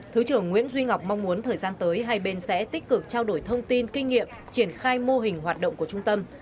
thứ trưởng nguyễn duy ngọc mong muốn thời gian tới hai bên sẽ tích cực trao đổi thông tin kinh nghiệm triển khai mô hình hoạt động của trung tâm